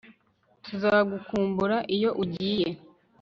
Tuzagukumbura iyo ugiye